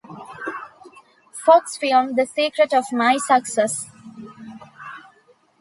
Fox film "The Secret of My Success".